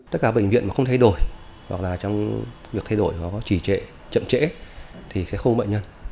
tất cả bệnh viện mà không thay đổi hoặc là trong việc thay đổi có chỉ trễ chậm trễ thì sẽ không có bệnh nhân